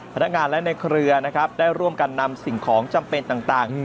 พนักงานและในเครือนะครับได้ร่วมกันนำสิ่งของจำเป็นต่าง